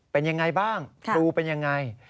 เป็นอย่างไรบ้างครูเป็นอย่างไร